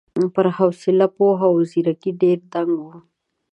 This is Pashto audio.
پر حوصله، پوهه او ځېرکۍ ډېر دنګ و.